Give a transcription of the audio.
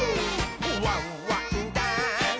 「ワンワンダンス！」